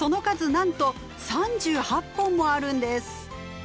なんと３８本もあるんです！